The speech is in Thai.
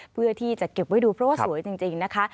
เพื่อที่จะเก็บไว้ดูเพราะว่าสวยจริงนะคะ